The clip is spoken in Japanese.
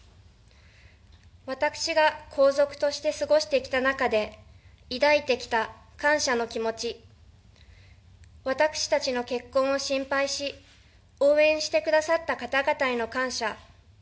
私が皇族として過ごしてきた中で抱いてきた感謝の気持ち、私たちの結婚を心配し応援してくださった方々への感謝